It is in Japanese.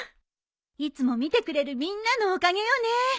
いつも見てくれるみんなのおかげよね。